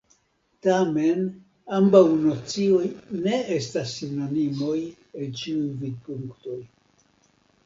Tamen, ambaŭ nocioj ne estas sinonimoj el ĉiuj vidpunktoj.